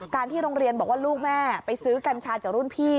ที่โรงเรียนบอกว่าลูกแม่ไปซื้อกัญชาจากรุ่นพี่